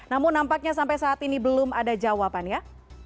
namun nampaknya sampai saat ini belum ada jawaban ya